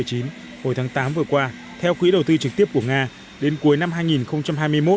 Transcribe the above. hồi tháng tám vừa qua theo quỹ đầu tư trực tiếp của nga đến cuối năm hai nghìn hai mươi một